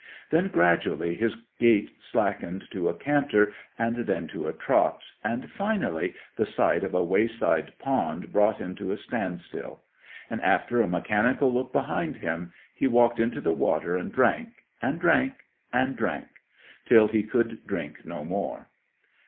Then, gradually, his gait slackened to a canter, and then to a trot, and, finally, the sight of a wayside pond brought him to a standstill; and, after a mechanical look behind him, he walked into the water and drank, and drank, and drank till he could drink no more.